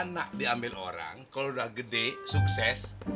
anak diambil orang kalau udah gede sukses